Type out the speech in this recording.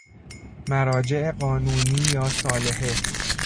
مراجع قانونی یا صالحه